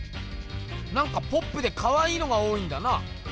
なんかポップでかわいいのが多いんだな。